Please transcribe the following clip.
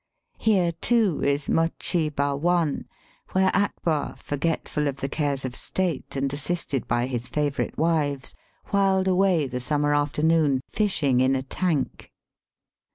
Here, too, is Muchee Bhawan, where Akbar, forgetful of the cares of state and assisted by his favourite wives, whiled away the summer afternoon fishing in a tank.